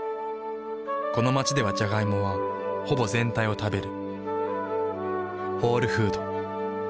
この街ではジャガイモはほぼ全体を食べる。